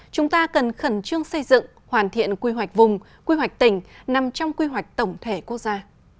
chúng ta cần khẩn trương xây dựng hoàn thiện quy hoạch vùng quy hoạch tỉnh nằm trong quy hoạch tổng thể quốc gia